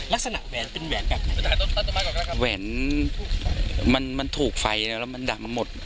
ลักษณะแหวนเป็นแหวนแบบไหนแหวนมันมันถูกไฟแล้วแล้วมันดำหมด